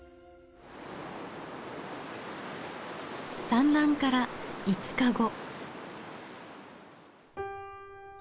産卵から５日後。